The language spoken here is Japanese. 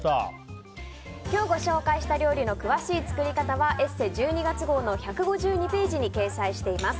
今日ご紹介した料理の詳しい作り方は「ＥＳＳＥ」１２月号の１５２ページに掲載しています。